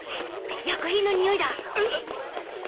薬品のにおいだ